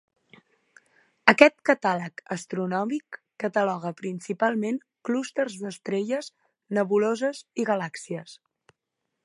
Aquest catàleg astronòmic cataloga principalment clústers d'estrelles, nebuloses i galàxies.